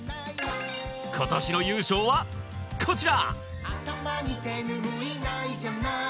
今年の優勝はこちら！